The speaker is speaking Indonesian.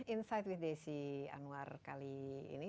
insight with desi anwar kali ini